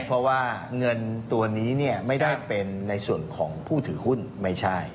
เพราะว่าเงินตัวนี้ไม่ได้เป็นในส่วนของผู้ถือหุ้นไม่ใช่